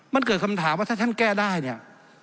มันเกิดคำถามว่าถ้าท่านแก้ได้เนี่ย